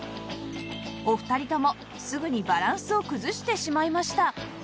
お二人ともすぐにバランスを崩してしまいました